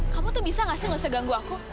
kamu tuh bisa gak sih gak usah ganggu aku